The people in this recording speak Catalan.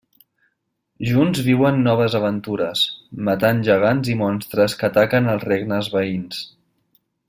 Junts viuen noves aventures, matant gegants i monstres que ataquen els regnes veïns.